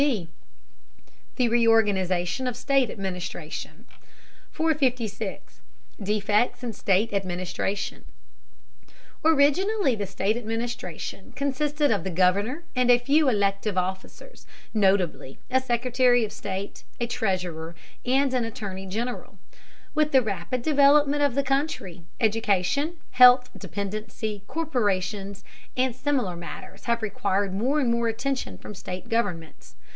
B. THE REORGANIZATION OF STATE ADMINISTRATION 456. DEFECTS IN STATE ADMINISTRATION. Originally the state administration consisted of the Governor and a few elective officers, notably a Secretary of State, a Treasurer, and an Attorney General. With the rapid development of the country, education, health, dependency, corporations, and similar matters have required more and more attention from state governments.